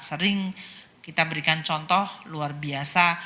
sering kita berikan contoh luar biasa